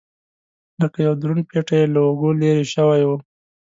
لکه یو دروند پېټی یې له اوږو لرې شوی و.